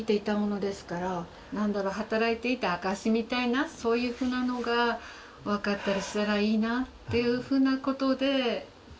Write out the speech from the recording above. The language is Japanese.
働いていた証しみたいなそういうふうなのが分かったりしたらいいなというふうなことで。